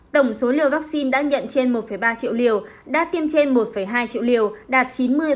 tổng số liều vaccine đã nhận trên một ba triệu liều đã tiêm trên một hai triệu liều đạt chín mươi